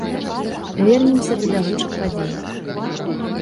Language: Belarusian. Вернемся да бягучых падзей.